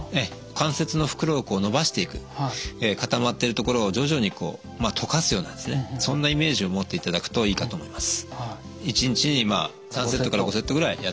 関節の袋を伸ばしていく固まってるところを徐々にこうまあとかすようなですねそんなイメージを持っていただくといいかと思います。